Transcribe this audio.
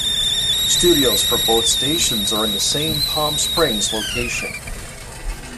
Studios for both stations are in the same Palm Springs location.